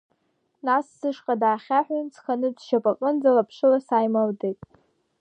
Нас сышҟа даахьаҳәын сханытә сшьапаҟынӡа лаԥшыла сааимылдеит.